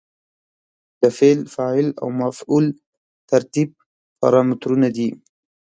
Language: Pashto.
د فعل، فاعل او مفعول ترتیب پارامترونه دي.